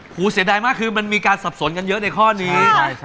เสียดายมากคือมันมีการสับสนกันเยอะในข้อนี้